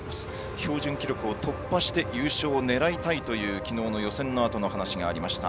標準記録を突破して優勝を狙いたいというきのうの予選のあとの話がありました。